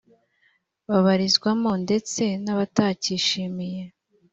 babarizwamo ndetse n abatacyishimiye